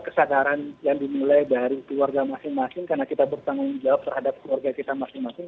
kesadaran yang dimulai dari keluarga masing masing karena kita bertanggung jawab terhadap keluarga kita masing masing